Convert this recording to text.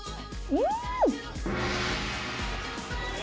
うん！